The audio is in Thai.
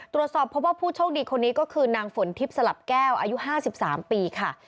ตรวจสอบเพราะว่าผู้โชคดีคนนี้ก็คือนางฝนทิพย์สลับแก้วอายุ๕๓ปีค่ะ